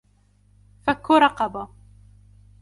فك رقبة